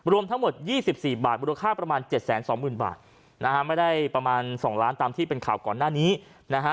รวมทั้งหมด๒๔บาทมูลค่าประมาณ๗๒๐๐๐บาทนะฮะไม่ได้ประมาณ๒ล้านตามที่เป็นข่าวก่อนหน้านี้นะฮะ